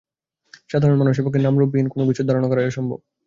সাধারণ মানুষের পক্ষে নামরূপ-বিহীন কোন কিছুর ধারণা করাই অসম্ভব।